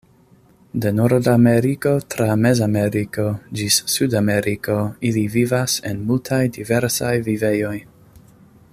De Nordameriko tra Mezameriko ĝis Sudameriko ili vivas en multaj diversaj vivejoj.